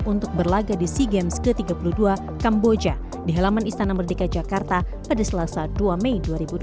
untuk berlaga di sea games ke tiga puluh dua kamboja di halaman istana merdeka jakarta pada selasa dua mei dua ribu dua puluh